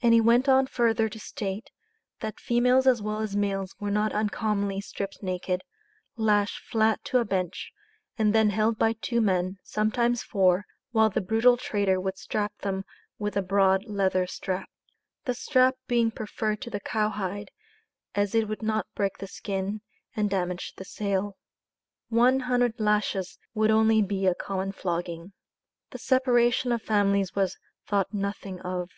And he went on further to state, that "females as well as males were not uncommonly stripped naked, lashed flat to a bench, and then held by two men, sometimes four, while the brutal trader would strap them with a broad leather strap." The strap being preferred to the cow hide, as it would not break the skin, and damage the sale. "One hundred lashes would only be a common flogging." The separation of families was thought nothing of.